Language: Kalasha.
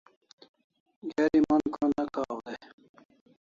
Geri mon ko'n' ne kaw dai